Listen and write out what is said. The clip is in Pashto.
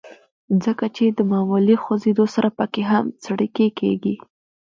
ځکه چې د معمولي خوزېدو سره پکښې هم څړيکې کيږي